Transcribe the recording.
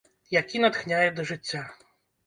Які натхняе да жыцця.